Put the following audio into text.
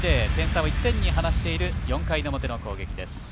点差を１点に離している４回の表の攻撃です。